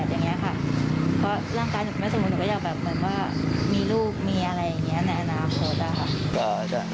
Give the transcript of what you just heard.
เพราะร่างกายหนูไม่สมบูรณ์หนูก็อยากมีลูกมีอะไรอย่างนี้ในอนาคต